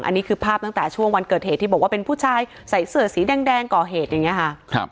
อันนี้คือภาพตั้งแต่ช่วงวันเกิดเหตุที่บอกว่าเป็นผู้ชายใส่เสื้อสีแดงก่อเหตุอย่างนี้ค่ะ